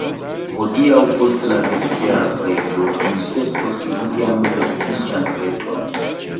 Hodiaŭ post la vespera preĝo ni festos vian edziĝan feston!